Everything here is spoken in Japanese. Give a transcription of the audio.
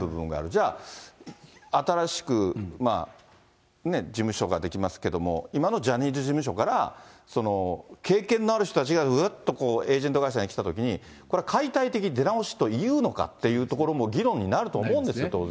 じゃあ、新しく事務所が出来ますけども、今のジャニーズ事務所から、経験のある人たちがうっとエージェント会社に来たときに、これ、解体的出直しというのかっていうところも議論になると思うんですよ、当然。